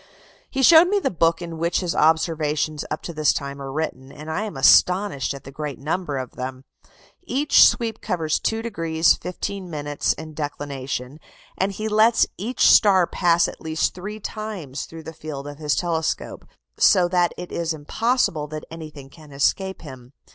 He showed me the book in which his observations up to this time are written, and I am astonished at the great number of them. Each sweep covers 2° 15' in declination, and he lets each star pass at least three times through the field of his telescope, so that it is impossible that anything can escape him.